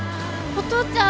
お父ちゃん！